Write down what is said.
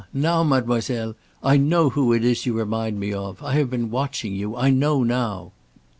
Now, mademoiselle, I know who it is you remind me of. I have been watching you. I know now."